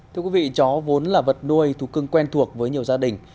thưa quý vị chó vốn là vật nuôi thú cưng quen thuộc với nhiều gia đình